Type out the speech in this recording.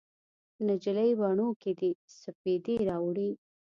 نجلۍ بڼو کې دې سپیدې راوړي